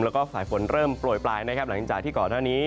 แล้วก็ฝ่ายฝนเริ่มโปรยปลายนะครับหลังจากที่ก่อนหน้านี้